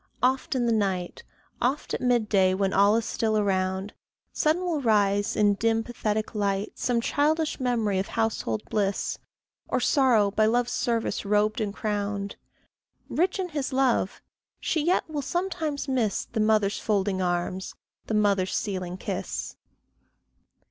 Oft in the night, Oft at mid day when all is still around, Sudden will rise, in dim pathetic light, Some childish memory of household bliss, Or sorrow by love's service robed and crowned; Rich in his love, she yet will sometimes miss The mother's folding arms, the mother's sealing kiss.